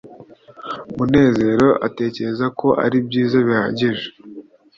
munezero atekereza ko aribyiza bihagije